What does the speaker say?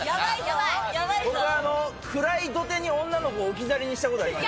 俺、暗い土手に女の子置き去りにしたことあります。